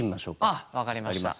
ああ分かりました。